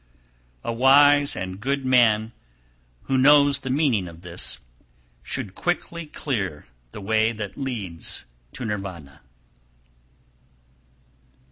289. A wise and good man who knows the meaning of this, should quickly clear the way that leads to Nirvana.